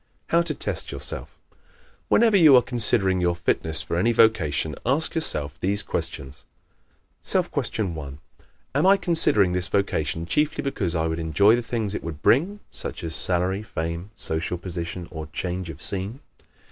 How to Test Yourself ¶ Whenever you are considering your fitness for any vocation, ask yourself these questions: _Self Question 1 Am I considering this vocation chiefly because I would enjoy the things it would bring such as salary, fame, social position or change of scene?